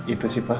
itu sih pak